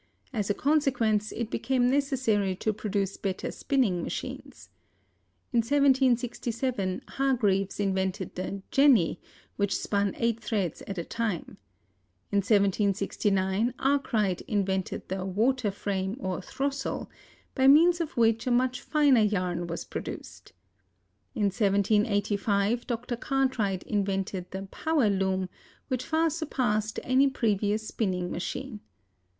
As a consequence, it became necessary to produce better spinning machines. In 1767 Hargreaves invented the "jenny" which spun eight threads at a time. In 1769 Arkwright invented the "waterframe," or "throstle," by means of which a much firmer yarn was produced. In 1785 Dr. Cartwright invented the "power loom," which far surpassed any previous spinning machine.